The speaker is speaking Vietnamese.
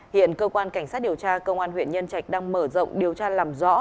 hiện cơ quan cảnh sát điều tra công an huyện nhân trạch đang mở rộng điều tra làm rõ